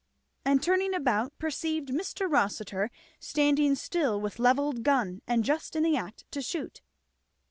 and turning about perceived Mr. Rossitur standing still with levelled gun and just in the act to shoot.